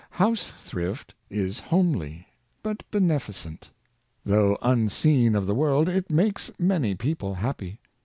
House thrift is homely, but beneficent. Though un seen of the world, it makes many people happy.